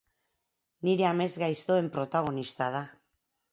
Nire amesgaiztoen protagonista da.